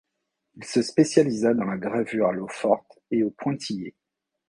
Il se spécialisa dans la gravure à l'eau-forte et au pointillé.